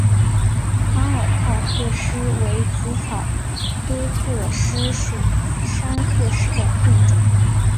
阿尔泰鹤虱为紫草科鹤虱属天山鹤虱的变种。